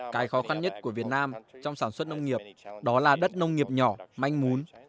cái khó khăn nhất của việt nam trong sản xuất nông nghiệp đó là đất nông nghiệp nhỏ manh mún